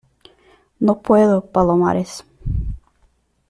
no puedo, Palomares.